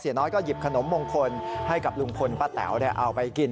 น้อยก็หยิบขนมมงคลให้กับลุงพลป้าแต๋วเอาไปกิน